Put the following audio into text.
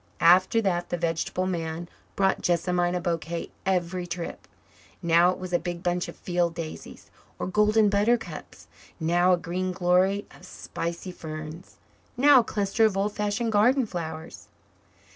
After that the vegetable man brought Jessamine a bouquet every trip. Now it was a big bunch of field daisies or golden buttercups, now a green glory of spicy ferns, now a cluster of old fashioned garden flowers.